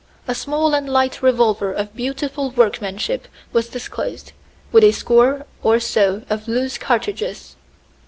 A small and light revolver of beautiful workmanship was disclosed, with a score or so of loose cartridges.